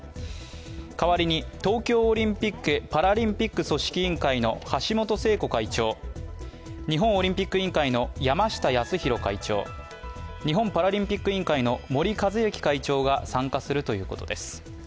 代わりに東京オリンピック・パラリンピック組織委員会の橋本聖子会長、日本オリンピック委員会の山下泰裕会長、日本パラリンピック委員会の森和之会長が参加するということです。